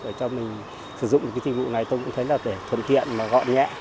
để cho mình sử dụng cái dịch vụ này tôi cũng thấy là để thuận tiện và gọi nhẹ